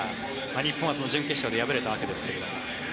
日本はその準決勝で敗れたわけですが。